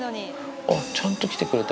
あっちゃんと来てくれた。